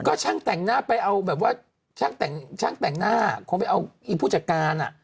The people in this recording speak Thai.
ก็ช่างแต่งหน้าไปเอาแบบว่าช่างแต่งหน้าคงไปเอาผู้จัดการอ่ะ